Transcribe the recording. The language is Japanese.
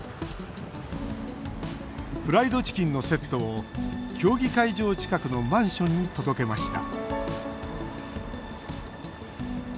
フライドチキンのセットを競技会場近くのマンションに届けました